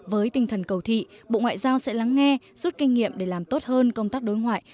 với tinh thần cầu thị bộ ngoại giao sẽ lắng nghe rút kinh nghiệm để làm tốt hơn công tác đối ngoại